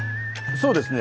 そうですね。